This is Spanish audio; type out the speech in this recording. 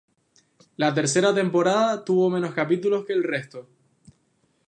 La tercera temporada tuvo menos capítulos que el resto.